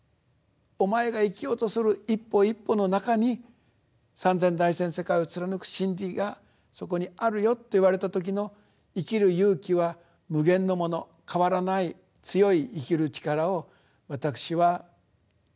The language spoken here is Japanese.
お前が生きようとする一歩一歩の中に「三千大千世界」を貫く真理がそこにあるよって言われた時の生きる勇気は無限のもの変わらない強い生きる力を私は頂ける。